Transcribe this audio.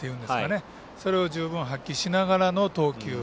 それを十分発揮しながらの投球。